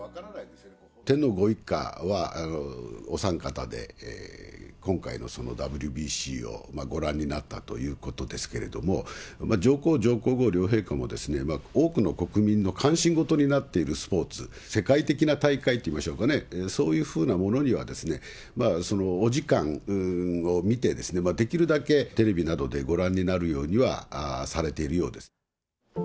天皇ご一家はお三方で、今回のＷＢＣをご覧になったということですけれども、上皇・上皇后両陛下も多くの国民の関心ごとになっているスポーツ、世界的な大会っていいましょうかね、そういうふうなものにはお時間をみて、できるだけテレビなどでご覧になるようにはされているようです。